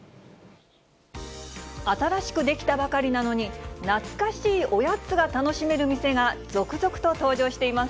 新しく出来たばかりなのに、懐かしいおやつが楽しめる店が続々と登場しています。